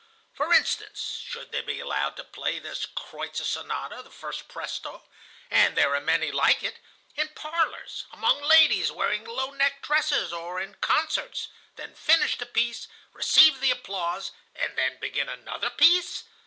For instance, should they be allowed to play this 'Kreutzer Sonata,' the first presto,—and there are many like it,—in parlors, among ladies wearing low necked dresses, or in concerts, then finish the piece, receive the applause, and then begin another piece?